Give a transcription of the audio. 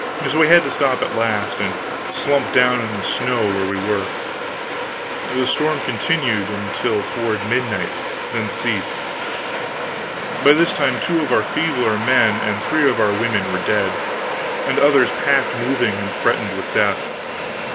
So we had to stop at last and slump down in the snow where we were. The storm continued until toward midnight, then ceased. By this time two of our feebler men and three of our women were dead, and others past moving and threatened with death.